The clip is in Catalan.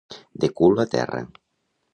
De cul a terra.